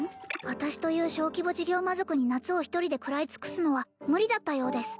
私という小規模事業魔族に夏を１人で食らい尽くすのは無理だったようです